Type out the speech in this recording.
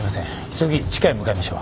急ぎ地下へ向かいましょう。